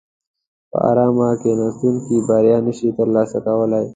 په ارامه کیناستونکي بریا نشي ترلاسه کولای.